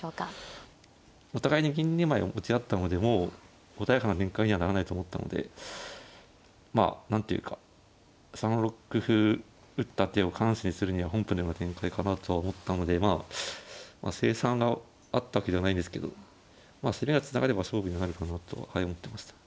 お互いに銀２枚を持ち合ったのでもう穏やかな展開にはならないと思ったのでまあ何ていうか３六歩打った手を緩手にするには本譜のような展開かなとは思ったので成算があったわけじゃないですけど攻めがつながれば勝負にはなるかなとははい思ってました。